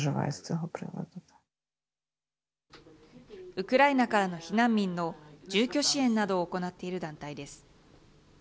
ウクライナからの避難民の住居支援などを行っている団体です。